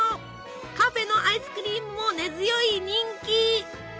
カフェのアイスクリームも根強い人気！